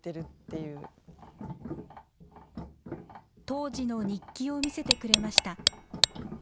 当時の日記を見せてくれました。